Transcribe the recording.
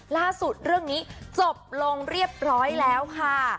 ล่าสุดเรื่องนี้จบลงเรียบร้อยแล้วค่ะ